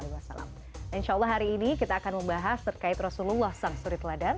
insyaallah hari ini kita akan membahas terkait rasulullah saw